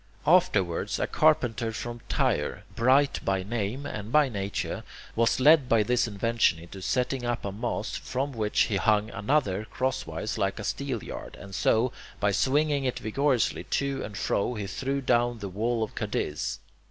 Afterwards a carpenter from Tyre, Bright by name and by nature, was led by this invention into setting up a mast from which he hung another crosswise like a steelyard, and so, by swinging it vigorously to and fro, he threw down the wall of Cadiz.